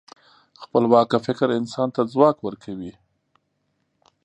خپلواکه فکر انسان ته ځواک ورکوي.